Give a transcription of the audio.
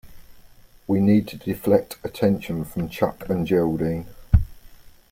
We need to deflect attention from Chuck and Geraldine.